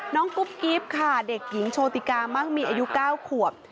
กุ๊บกิ๊บค่ะเด็กหญิงโชติกามั่งมีอายุ๙ขวบ